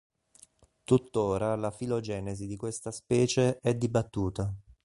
Tuttora la filogenesi di questa specie è dibattuta.